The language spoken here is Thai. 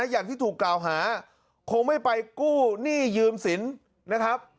อย่างที่ถูกกล่าวหาคงไม่ไปกู้หนี้ยืมสินนะครับ